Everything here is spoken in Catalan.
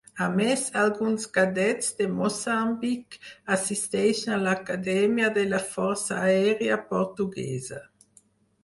A més, alguns cadets de Moçambic assisteixen a l'Acadèmia de la Força Aèria Portuguesa.